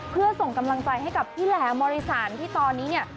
เพื่อส่งกำลังใจให้กับพี่แหลมมริสันที่ตอนนี้เนี่ย